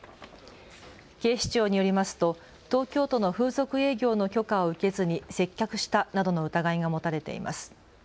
警視庁によりますと東京都の風俗営業の許可を受けずに接客したなどの疑いが持たれています。